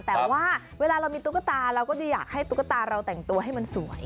แต่ว่าเวลาเรามีตุ๊กตาเราก็จะอยากให้ตุ๊กตาเราแต่งตัวให้มันสวย